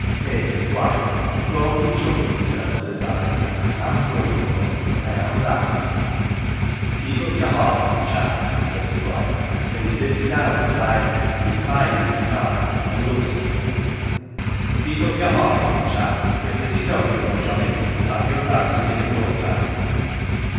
1 "' Eh, Squire don't ye trouble yourself, 1 says I. ' Fm done for ! I am that !' "'Keep up your heart, old chap, 1 says Squire; an 1 he sits down aside o 1 me wi 1 's pipe in 's mouth, an 1 looks at me. ' Keep up your heart, old chap ; yeVe pretty tough, you know, Johnnie. Well have you about again in no time.